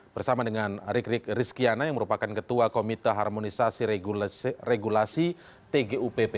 bersama dengan rik rik rizkiana yang merupakan ketua komite harmonisasi regulasi tgupp